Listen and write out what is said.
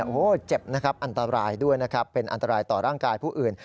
โอ้โหเจ็บนะครับอันตรายด้วยนะครับเป็นอันตรายต่อร่างกายผู้อื่น